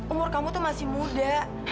umur kamu tuh masih muda